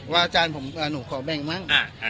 ว่าอาจารย์ผมหนูขอแบงก์มั้ง